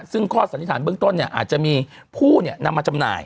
ซึ่งข้อสันนิษฐานเบื้องต้นอาจจะมีผู้นำมาจำหน่าย